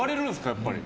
やっぱり。